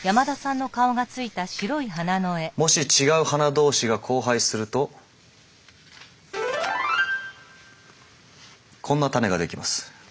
もし違う花同士が交配するとこんな種が出来ます。